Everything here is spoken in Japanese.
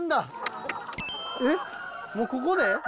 えっもうここで？